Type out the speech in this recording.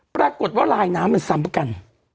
ปรากฏว่าลายน้ำมันซ้ำกัน